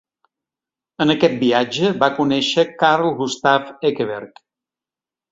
En aquest viatge va conèixer Carl Gustaf Ekeberg.